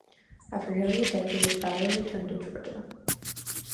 After nearly a decade, Fowler returned to Georgia.